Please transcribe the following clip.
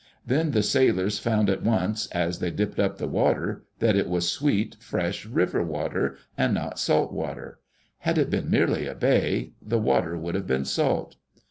Then the sailors found at once, as they dipped up the water, that it was sweet, fresh, river water and not salt water. Had it been merely a bay, the iwater would have been salt.